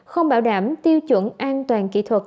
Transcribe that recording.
không bảo đảm tiêu chuẩn an toàn kỹ thuật